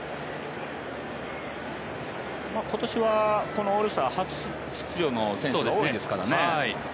今年はこのオールスター初出場の選手が多いですからね。